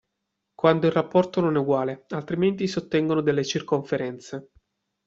Quando il rapporto non è uguale altrimenti si ottengono delle circonferenze.